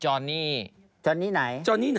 จอห์นี่จอห์นี่ไหน